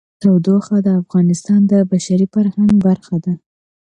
تودوخه د افغانستان د بشري فرهنګ برخه ده.